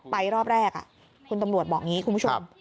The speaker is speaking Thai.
ไปรอบแรกอะคุณตำรวจบอกงี้คุณผู้ชม